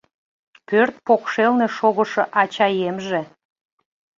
Пӧрт покшелне шогышо ачаемже -